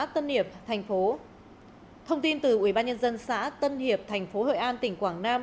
thông tin từ ủy ban nhân dân xã tân hiệp thành phố hội an tỉnh quảng nam